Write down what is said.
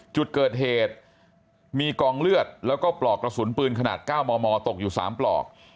จุดเกิดเหตุมีกองเลือดแล้วก็ปลอกกระสุนปืนขนาด๙มมตกอยู่๓ปลอก